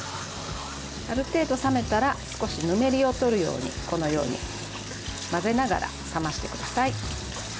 ある程度、冷めたら少しぬめりを取るようにこのように混ぜながら冷ましてください。